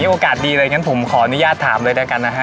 โอกาสดีเลยอย่างนั้นผมขออนุญาตถามเลยด้วยกันนะฮะ